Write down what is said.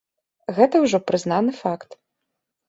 Гэта ўжо прызнаны факт.